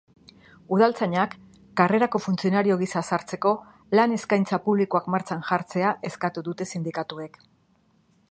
Udaltzainak karrerako funtzionario gisa sartzeko lan eskaintza publikoak martxan jartzea eskatu dute sindikatuek.